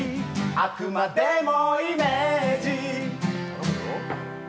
あくまでもイメージ！